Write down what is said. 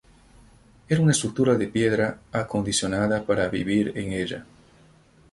Era una estructura de piedra acondicionada para vivir en ella.